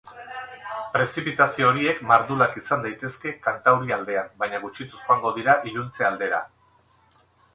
Prezipitazio horiek mardulak izan daitezke kantaurialdean, baina gutxituz joango dira iluntze aldera.